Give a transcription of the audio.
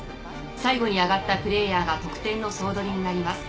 最後に上がったプレーヤーが得点の総取りになります。